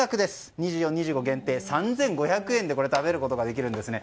２４日、２５日限定３５００円で食べることができます。